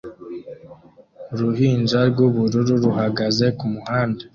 Uruhinja rwubururu ruhagaze kumuhanda